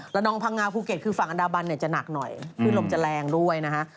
นองพังงาภูเก็ตคือฝั่งอันดาบันเนี่ยจะหนักหน่อยคลื่นลมจะแรงด้วยนะฮะ